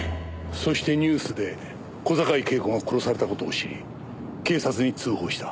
そしてニュースで小坂井恵子が殺された事を知り警察に通報した。